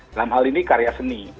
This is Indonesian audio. dalam hal ini karya seni